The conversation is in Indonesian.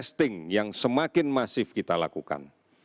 dan juga testing yang semakin masif kita lakukan